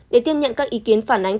để tiếp nhận các ý kiến phản ánh